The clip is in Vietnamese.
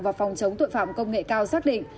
và phòng chống tội phạm công nghệ cao xác định